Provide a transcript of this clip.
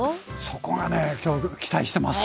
そこがね今日期待してます。